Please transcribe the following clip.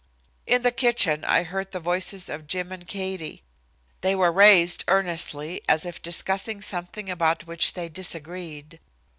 In the kitchen I heard the voices of Jim and Katie. They were raised earnestly as if discussing something about which they disagreed.